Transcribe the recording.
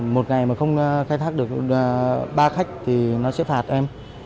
một ngày mà không khai thác được ba khách thì nó sẽ phạt em